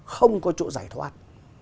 không có chỗ giải thoát